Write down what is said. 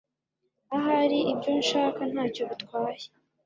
Ahari ibyo nshaka ntacyo bitwaye